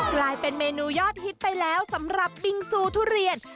กลายเป็นเมนูยอดฮิตไปแล้วสำหรับบิงซูทุเรียน